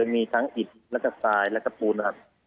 โดยมีทั้งหิตแล้วจะศายและก็ปูน